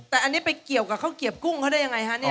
แต่อันนี้ไปเกี่ยวกับข้าวเกียบกุ้งเขาได้ยังไงฮะเนี่ย